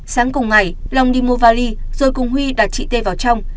sáng cùng ngày long đi mua vali rồi cùng huy đặt chị t vào trong